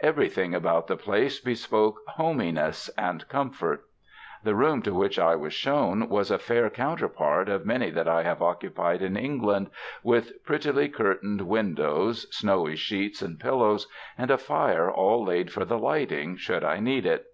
Everything about the place be spoke "homeyness" and comfort. The room to which I was shown was a fair counterpart of many that I have occupied in England, with prettily cur tained windows, snowy sheets and pillows, and a fire all laid for the lighting, should I need it.